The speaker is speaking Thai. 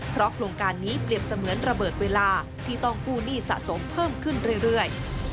เพราะโครงการนี้เปรียบเสมือนระเบิดเวลาที่ต้องกู้หนี้สะสมเพิ่มขึ้นเรื่อย